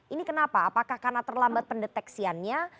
ini kenapa apakah karena terlambat pendeteksiannya